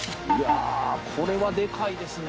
これはでかいですね。